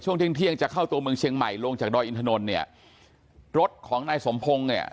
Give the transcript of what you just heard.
เที่ยงเที่ยงจะเข้าตัวเมืองเชียงใหม่ลงจากดอยอินทนนท์เนี่ยรถของนายสมพงศ์เนี่ย